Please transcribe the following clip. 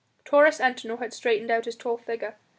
Taurus Antinor had straightened out his tall figure.